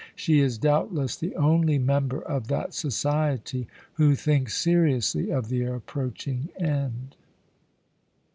She is doubtless the only member of that society who thinks seriously of the approaching end.